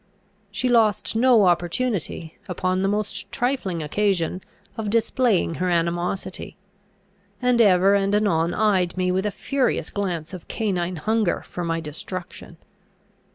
She lost no opportunity, upon the most trifling occasion, of displaying her animosity; and ever and anon eyed me with a furious glance of canine hunger for my destruction.